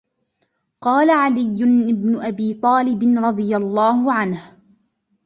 قَالَ عَلِيُّ بْنُ أَبِي طَالِبٍ رَضِيَ اللَّهُ عَنْهُ